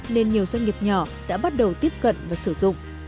nên nhiều doanh nghiệp nhỏ đã bắt đầu tiếp cận và sử dụng